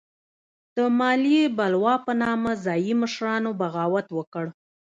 د مالیې بلوا په نامه ځايي مشرانو بغاوت وکړ.